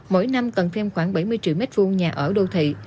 mỗi năm cần thêm khoảng bảy mươi triệu m hai nhà ở đô thị